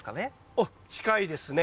おっ近いですね。